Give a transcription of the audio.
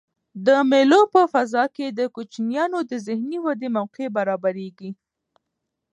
د مېلو په فضا کښي د کوچنيانو د ذهني ودي موقع برابریږي.